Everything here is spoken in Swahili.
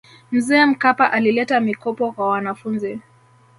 mzee mkapa alileta mikopo kwa wanafunzi